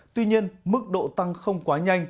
tuy nhiên mức độ tăng không quá nhanh